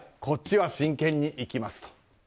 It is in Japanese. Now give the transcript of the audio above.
こっちは真剣にいきますと。